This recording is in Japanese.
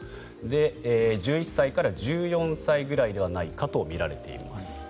１１歳から１４歳ぐらいではないかとみられています。